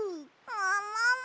ももも！